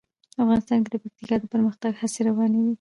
افغانستان کې د پکتیا د پرمختګ هڅې روانې دي.